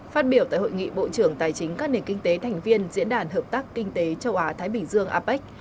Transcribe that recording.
phát biểu tại hội nghị bộ trưởng tài chính các nền kinh tế thành viên diễn đàn hợp tác kinh tế châu á thái bình dương apec